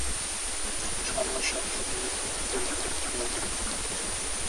সময়ের সাথে সাথে মন্দিরটি পরিত্যক্ত হয়ে পড়ে।